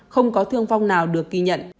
không có thương vong nào được ghi nhận